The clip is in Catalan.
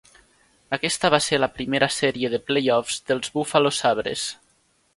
Aquesta va ser la primera sèrie de play-offs dels Buffalo Sabres.